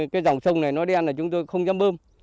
cái dòng sông này nó đen là chúng tôi không dám bơm